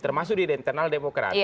termasuk di internal demokrati